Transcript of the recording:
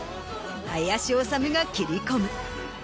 林修が切り込む。